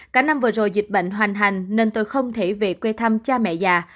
cả năm vừa rồi dịch bệnh hoành hành nên tôi không thể về quê thăm cha mẹ già